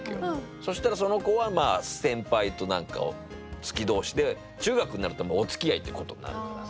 そしたらその子は先輩と何か好き同士で中学になるともうお付き合いっていうことになるからさ。